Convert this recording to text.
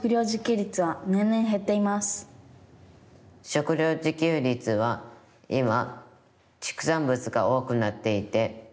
食料自給率は今ちくさんぶつが多くなっていて。